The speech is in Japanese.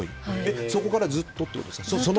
そこからずっとってことですか